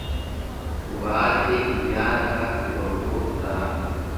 ku ba te imyaka mirongo itanu